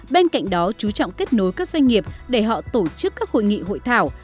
bên cạnh đó chú trọng kết nối các doanh nghiệp để họ tổ chức các hội nghị hội thảo